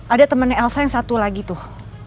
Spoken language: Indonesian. ada temannya elsa yang satu lagi tuh